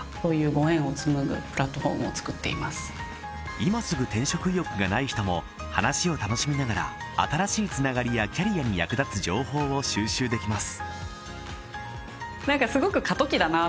今すぐ転職意欲がない人も話を楽しみながら新しいつながりやキャリアに役立つ情報を収集できます